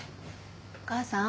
お母さん。